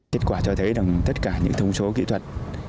kết quả cho thấy rằng tất cả những thông số kỹ thuật